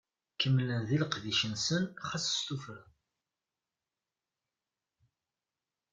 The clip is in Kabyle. Kemmlen di leqdic-nsen ɣas s tuffra.